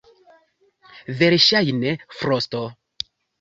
Verŝajne frosto.